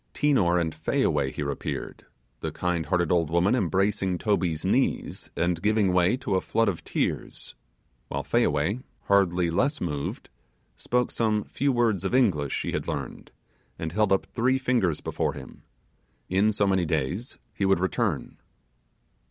Tinor and Fayaway here appeared; the kindhearted old woman embracing Toby's knees, and giving way to a flood of tears; while Fayaway, hardly less moved, spoke some few words of English she had learned, and held up three fingers before him in so many days he would return.